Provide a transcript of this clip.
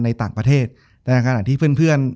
ในต่างประเทศแต่ในขณะที่เพื่อน